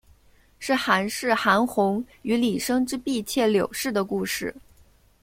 是寒士韩翃与李生之婢妾柳氏的故事。